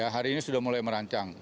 hari ini sudah mulai merancang